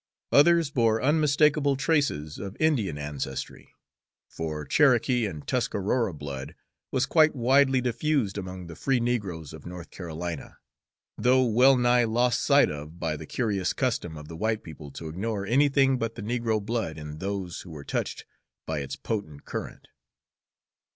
Others bore unmistakable traces of Indian ancestry, for Cherokee and Tuscarora blood was quite widely diffused among the free negroes of North Carolina, though well nigh lost sight of by the curious custom of the white people to ignore anything but the negro blood in those who were touched by its potent current.